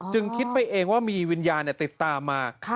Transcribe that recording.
คิดไปเองว่ามีวิญญาณติดตามมา